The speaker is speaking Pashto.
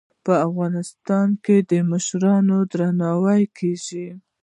په افغانستان کې د مشرانو درناوی کیږي.